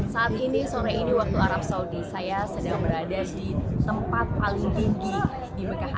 saat ini sore ini waktu arab saudi saya sedang berada di tempat paling tinggi di mekah arab saudi yaitu mekah clock tower